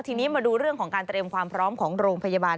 ทีนี้มาดูเรื่องของการเตรียมความพร้อมของโรงพยาบาล